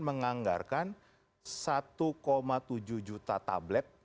menganggarkan satu tujuh juta tablet